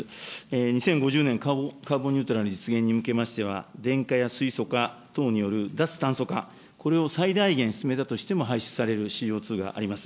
２０５０年カーボンニュートラル実現に向けましては、電化や水素化等における脱炭素化、これを最大限進めたとしても排出されるＣＯ２があります。